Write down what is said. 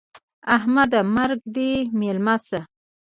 احمده! مرګ دې مېلمه سه.